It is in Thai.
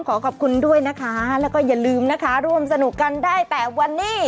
ขอขอบคุณด้วยนะคะแล้วก็อย่าลืมนะคะร่วมสนุกกันได้แต่วันนี้